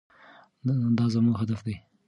دا زموږ هدف دی.